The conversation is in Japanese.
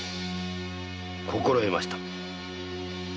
心得ました。